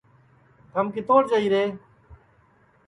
تھم کِتوڑ جائیرے